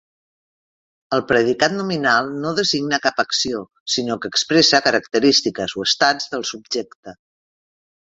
El predicat nominal no designa cap acció sinó que expressa característiques o estats del subjecte.